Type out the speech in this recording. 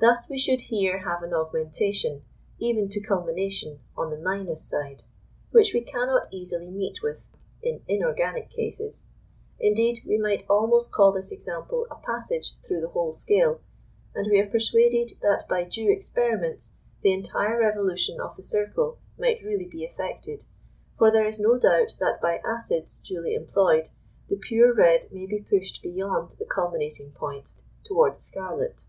Thus we should here have an augmentation, even to culmination, on the minus side, which we cannot easily meet with in inorganic cases; indeed, we might almost call this example a passage through the whole scale, and we are persuaded that by due experiments the entire revolution of the circle might really be effected, for there is no doubt that by acids duly employed, the pure red may be pushed beyond the culminating point towards scarlet.